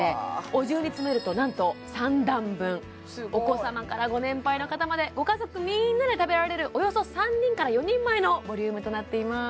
お重に詰めるとなんと３段分お子様からご年配の方までご家族みんなで食べられるおよそ３人から４人前のボリュームとなっています